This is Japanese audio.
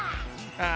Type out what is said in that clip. ああ！